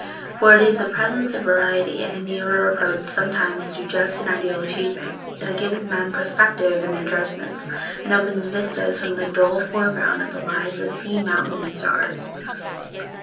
For it is the presence of variety and a nearer approach somewhere to just and ideal achievement that gives men perspective in their judgments and opens vistas from the dull foreground of their lives to sea, mountain, and stars.